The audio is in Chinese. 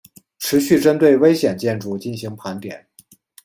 持续针对危险建筑进行盘点